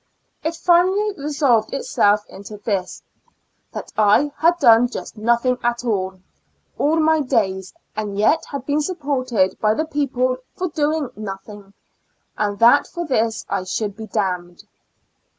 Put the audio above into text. It finally resolved itself into this, that I had done just nothing at all, all my days, and yet had been supported by the people for doing nothing, and that for this I should be damned.